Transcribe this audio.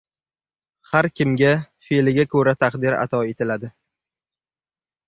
• Har kimga fe’liga ko‘ra taqdir ato etiladi.